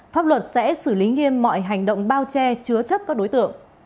pháp luật sẽ xử lý nghiêm mọi hành động bao che chứa chấp các đối tượng